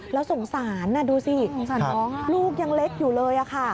แล้วสงสารดูสิลูกยังเล็กอยู่เลยค่ะ